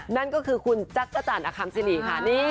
นั่นก็คือคุณจักรจันทร์อคัมซินีค่ะ